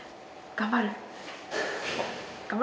頑張るぞ！